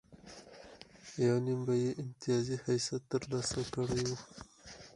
یو نیم به یې امتیازي حیثیت ترلاسه کړی و.